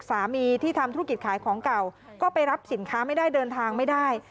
สามีที่ทำธุรกิจขายของเก่าก็ไปรับสินค้าไม่ได้เดินทางไม่ได้